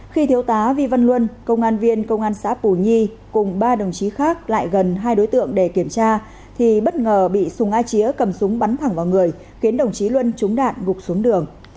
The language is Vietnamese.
khi thiếu tá vi văn luân công an viên công an xã bù nhi cùng ba đồng chí khác lại gần hai đối tượng để kiểm tra thì bất ngờ bị sùng a chía cầm súng bắn thẳng vào người khiến đồng chí luân trúng đạn gục xuống đường